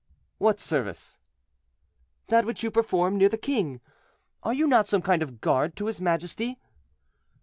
"What service?" "That which you perform near the king. Are you not some kind of guard to his majesty?"